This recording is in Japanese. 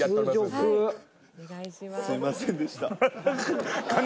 すいませんでした。